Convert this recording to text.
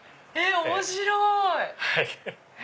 面白い！